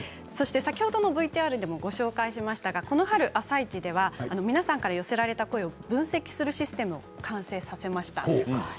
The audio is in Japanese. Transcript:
先ほどＶＴＲでもご紹介しましたけど「あさイチ」では皆さんから寄せられた声を分析するシステムを完成させました。